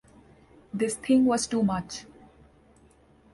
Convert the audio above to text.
This thing was too much.